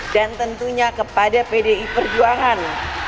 dan tentunya kepada pdi perjuangan